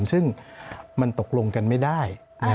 ซึ่งมันตกลงกันไม่ได้